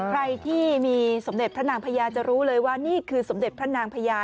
ใครที่มีสมเด็จพระนางพญาจะรู้เลยว่านี่คือสมเด็จพระนางพญา